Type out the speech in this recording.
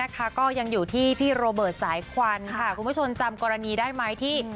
ก็ยังอยู่ที่พี่โรเบิร์ตสายควันค่ะคุณผู้ชมจำกรณีได้ไหมที่